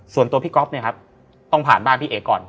ส่วนตัวพี่ก๊อฟเนี่ยครับต้องผ่านบ้านพี่เอ๋ก่อน